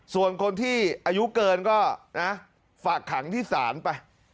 ส่วนคนที่อายุเกินก็นะฝากขังที่ศาลไป